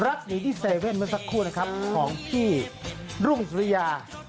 รักหรือที่เซเว่นเป็นสักคู่แหละครับของพี่รุ้มสุริยา